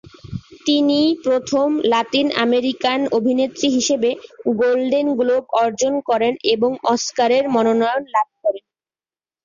তিনি প্রথম Latin American অভিনেত্রী হিসেবে গোল্ডেন গ্লোব অর্জন করেন এবং অস্কারের মনোনয়ন লাভ করেন।